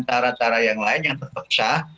cara cara yang lain yang tetap sah